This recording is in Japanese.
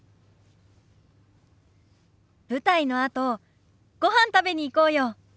舞台のあとごはん食べに行こうよ。